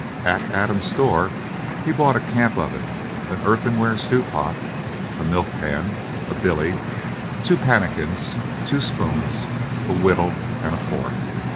At Adams' store he bought a camp oven, an earthenware stew pot, a milk pan, a billy, two pannikins, two spoons, a whittle, and a fork.